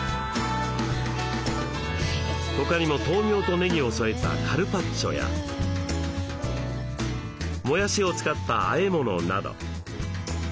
他にも豆苗とねぎを添えたカルパッチョやもやしを使ったあえ物など。